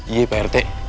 iya pak rt